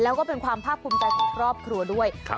แล้วก็เป็นความภาคภูมิใจของครอบครัวด้วย